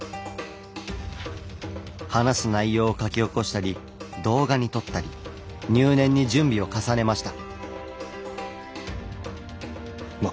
話す内容を書き起こしたり動画に撮ったり入念に準備を重ねました。